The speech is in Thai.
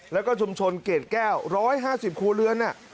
แล้วก็ชุมชนเกรดแก้ว๑๕๐ครัวเรือน